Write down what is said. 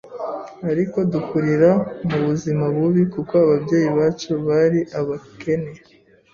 ariko dukurira mu buzima bubi kuko ababyeyi bacu bari abakene